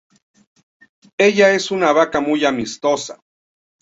Ella es una vaca muy amistosa.